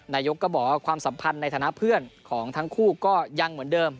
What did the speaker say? นายกก็บอกว่าความสัมพันธ์ในฐานะเพื่อนของทั้งคู่ก็ยังเหมือนเดิม